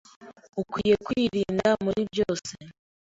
Ukwiriye kwirinda muri byose.